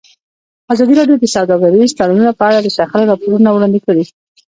ازادي راډیو د سوداګریز تړونونه په اړه د شخړو راپورونه وړاندې کړي.